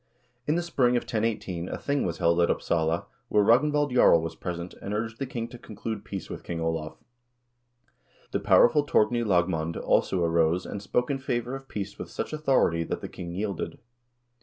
In the spring of 1018 a thing was held at Upsala where Ragnvald Jarl was present, and urged the king to conclude peace with King Olav. The powerful Torgny Lagmand also arose and spoke in favor of peace with such authority that the king yielded.